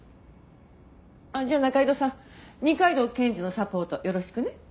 じゃあ仲井戸さん二階堂検事のサポートよろしくね。